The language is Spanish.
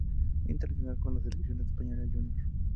Internacional con la selección española Júnior.